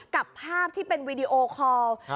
กับภาพที่เป็นวีดีโอคอล